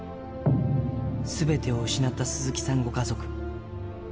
すべてを失った鈴木さんご家族。